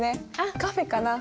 カフェかな。